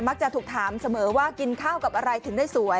จะถูกถามเสมอว่ากินข้าวกับอะไรถึงได้สวย